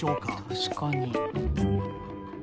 確かに。